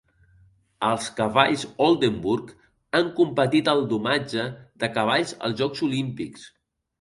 Els cavalls Oldenburg han competit al domatge de cavalls als Jocs Olímpics.